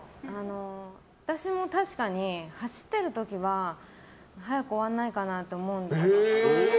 私も確かに走ってる時は早く終わらないかなって思うんですよ。